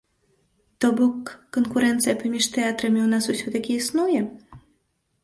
То бок, канкурэнцыя паміж тэатрамі ў нас усё-такі існуе?